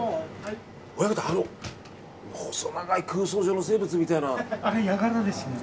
親方、あの細長い空想上の生物みたいな。